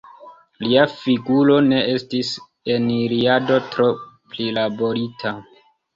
Lia figuro ne estis en Iliado tro prilaborita.